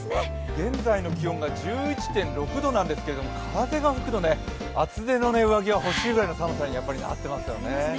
現在の気温が１１．６度なんですけど風が吹くと厚手の上着がほしいぐらいの寒さになっていますね。